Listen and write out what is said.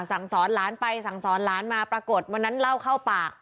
สั่งสอนหลานไปสั่งสอนหลานมาปรากฏวันนั้นเล่าเข้าปาก